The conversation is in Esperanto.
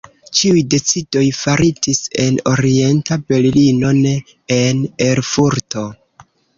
Ĉiuj decidoj faritis en Orienta Berlino, ne en Erfurto.